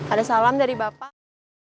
ada salam dari bapak